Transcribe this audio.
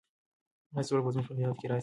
ایا سوله به زموږ په هېواد کې راسي؟